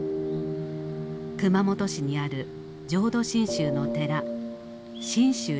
熊本市にある浄土真宗の寺真宗寺です。